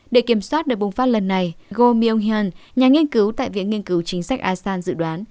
để kiểm soát được bùng phát lần này go myung hyun nhà nghiên cứu tại viện nghiên cứu chính sách asean dự đoán